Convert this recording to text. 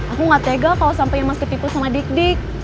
aku gak tega kalo sampe imaz ketipu sama dik dik